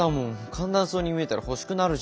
簡単そうに見えたら欲しくなるじゃん。